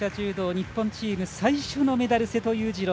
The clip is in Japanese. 日本チーム、最初のメダル瀬戸勇次郎。